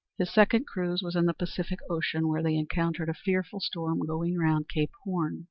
His second cruise was in the Pacific Ocean, where they encountered a fearful storm going round Cape Horn.